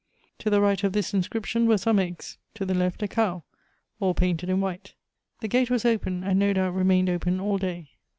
To the right of this inscription were some eggs, to the left a cow, all painted in white. The gate was open, and no doubt remained open all day.